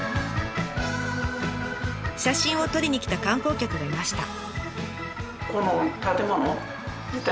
写真を撮りに来た観光客がいました。